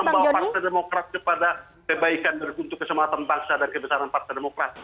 yang akan membawa partai demokrat kepada kebaikan untuk kesempatan bangsa dan kebesaran partai demokrat